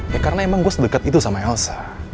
ya karena emang gue sedekat itu sama elsa